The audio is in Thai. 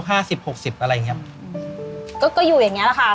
ก็อยู่อย่างนี้แหละค่ะเราก็ช่วยด้วยกัน